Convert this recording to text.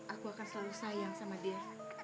aku akan selalu sayang sama dia